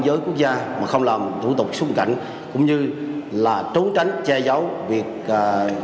giới quốc gia mà không làm thủ tục xuất cảnh cũng như là trốn tránh che giấu việc à